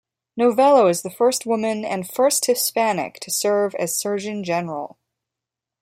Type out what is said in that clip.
Novello is the first woman and first Hispanic to serve as Surgeon General.